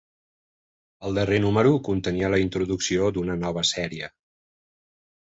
El darrer número contenia la introducció d'una nova sèrie.